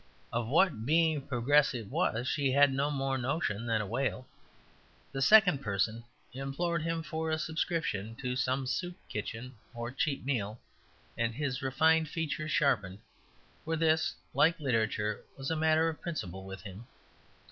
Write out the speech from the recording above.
Of what being Progressive was she had no more notion than a whale. The second person implored him for a subscription to some soup kitchen or cheap meal; and his refined features sharpened; for this, like literature, was a matter of principle with him.